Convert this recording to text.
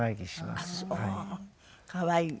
可愛い。